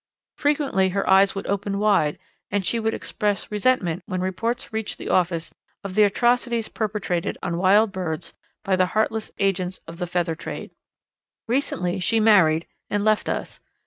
Frequently her eyes would open wide and she would express resentment when reports reached the office of the atrocities perpetrated on wild birds by the heartless agents of the feather trade. Recently she married and left us.